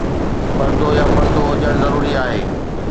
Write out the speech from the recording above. پردو يا پردو هجڻ ضروري آهي